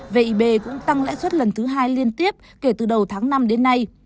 vị b cũng tăng lãi suất lần thứ hai liên tiếp kể từ đầu tháng năm đến nay